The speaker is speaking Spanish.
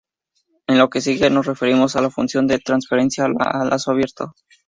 En lo que sigue, nos referimos a la función de transferencia a lazo abierto.